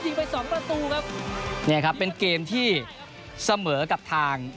นี่ครับเป็นเกมที่เสมอกับทาง